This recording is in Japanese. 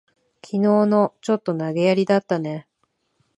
きのうの、ちょっと投げやりだったね。